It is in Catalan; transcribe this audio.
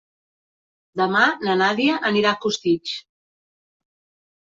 Demà na Nàdia anirà a Costitx.